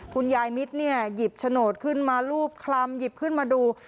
คุณยายมิตรเนี่ยหยิบโฉนดขึ้นมารูปคลำหยิบขึ้นมาดู